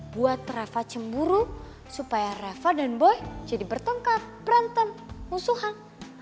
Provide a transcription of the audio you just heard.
buat reva cemburu supaya reva dan boy jadi bertengkar berantem musuhan